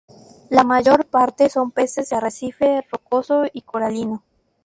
La mayor parte son peces de arrecife rocoso y coralino.